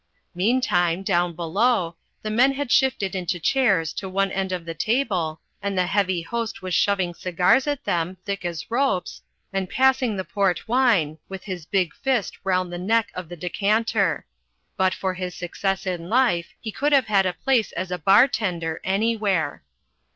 Meantime, down below, the men had shifted into chairs to one end of the table and the Heavy Host was shoving cigars at them, thick as ropes, and passing the port wine, with his big fist round the neck of the decanter. But for his success in life he could have had a place as a bar tender anywhere.